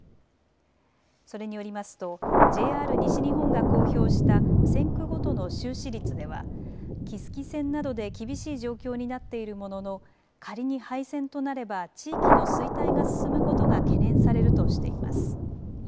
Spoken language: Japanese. それによりますとＪＲ西日本が公表した線区ごとの収支率では木次線などで厳しい状況になっているものの仮に廃線となれば地域の衰退が進むことが懸念されるとしています。